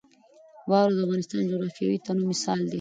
واوره د افغانستان د جغرافیوي تنوع مثال دی.